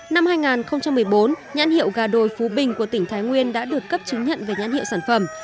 năm hai nghìn một mươi bốn nhãn hiệu gà đồi phú bình của tỉnh thái nguyên đã được cấp chứng nhận về nhãn hiệu sản phẩm